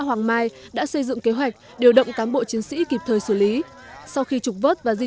hoàng mai đã xây dựng kế hoạch điều động cán bộ chiến sĩ kịp thời xử lý sau khi trục vớt và di